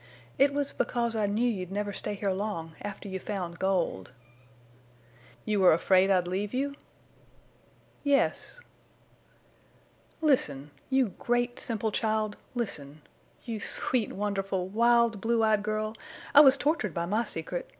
"It was because I knew you'd never stay here long after you found gold." "You were afraid I'd leave you?" "Yes." "Listen!... You great, simple child! Listen... You sweet, wonderful, wild, blue eyed girl! I was tortured by my secret.